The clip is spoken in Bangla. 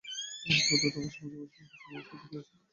অন্তত আমার জীবনসঙ্গী বেছে নেওয়ার সুযোগ পেয়েছি।